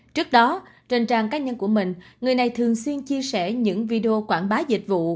trước đó trên trang cá nhân của mình người này thường xuyên chia sẻ những video quảng bá dịch vụ